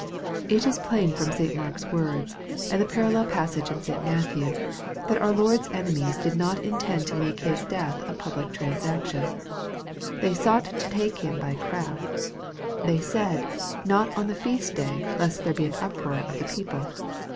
It is plain from St. Mark's words, and the parallel passage in St. Matthew, that our Lord's enemies did not intend to make His death a public transaction. " They sought to take Him by craft." " They said, not on the feast day, lest there be an uproar of the people."